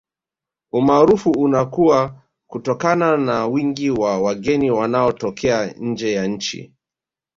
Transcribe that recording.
Umaarufu unakuwa kutokana na wingi wa wageni wanaotokea nje ya nchi